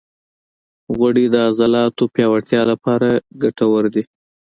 غوړې د عضلاتو پیاوړتیا لپاره ګټورې دي.